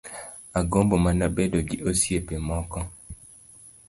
Agombo mana bedo gi osiepe moko